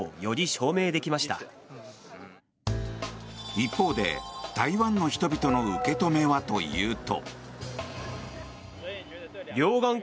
一方で、台湾の人々の受け止めはというと。